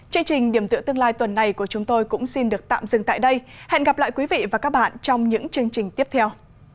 chương trình tương lai tuần này của chúng tôi xin được tạm dừng tại đây hẹn gặp lại quý vị và các bạn trong những chương trình tiếp theo